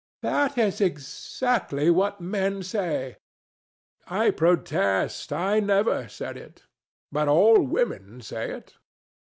That is exactly what men say. DON JUAN. I protest I never said it. But all women say it.